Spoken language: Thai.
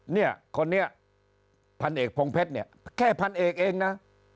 เนี่ยคนนี้พันธุ์เอกพงเพชรแค่พันธุ์เอกเองนะ